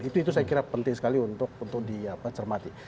itu saya kira penting sekali untuk dicermati